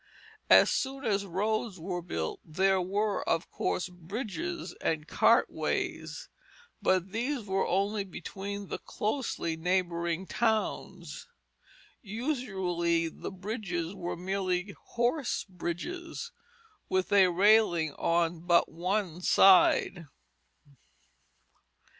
As soon as roads were built there were, of course, bridges and cart ways, but these were only between the closely neighboring towns. Usually the bridges were merely "horse bridges" with a railing on but one side.